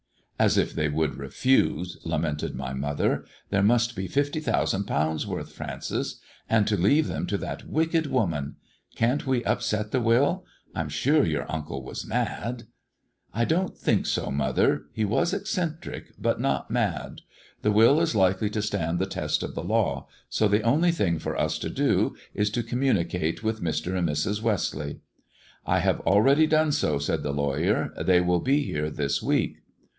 " As if they would refuse,' ' lamented my mother. " There must be fifty thousand pounds' worth, Francis ; and to leave them to that wicked woman ! Can't we upset the will 1 I'm sure your uncle was mad." " I don't think so, mother : he was eccentric, but not mad. The will is likely to stand the test of the law, so the only thing for us to do is to communicate with Mr. and Mrs. Westleigh." " I have already done so," said the lawyer ;" they will be here this week."